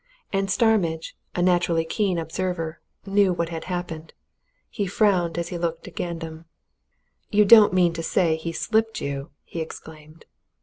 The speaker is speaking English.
And Starmidge, a naturally keen observer, knew what had happened. He frowned as he looked at Gandam. "You don't mean to say he slipped you!" he exclaimed.